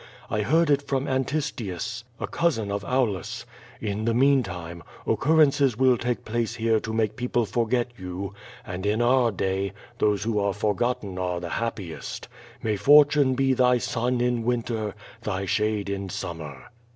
I heard it from Antistius, a cousin of Aulus. In the mean time, occurrences will take place here to make people forget 484 0^^ VADI8. you, and in our day, those who are forgotten are the happiest May fortune be tliy sun in winter, thy shade in summer."